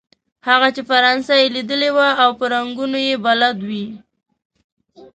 هغه چې فرانسه یې ليدلې وي او په رنګونو يې بلد وي.